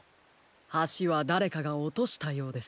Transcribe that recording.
はしはだれかがおとしたようです。